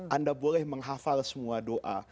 anda boleh menghafal semua doa